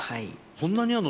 そんなにあるの？